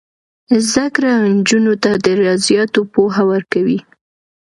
زده کړه نجونو ته د ریاضیاتو پوهه ورکوي.